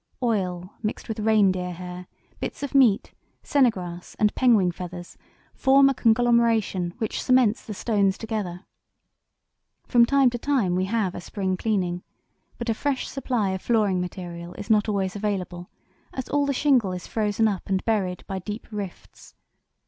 Oil mixed with reindeer hair, bits of meat, sennegrass, and penguin feathers form a conglomeration which cements the stones together. From time to time we have a spring cleaning, but a fresh supply of flooring material is not always available, as all the shingle is frozen up and buried by deep rifts.